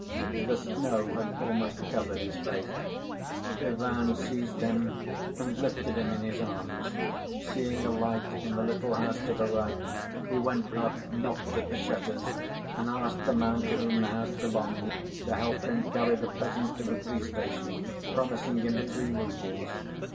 The snow had almost covered his face. Ivan seized him and lifted him in his arms. Seeing a light in the little house to the right he went up, knocked at the shutters, and asked the man to whom the house belonged to help him carry the peasant to the police‐station, promising him three roubles.